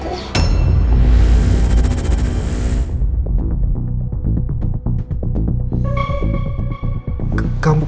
kenapa sama kandungan aku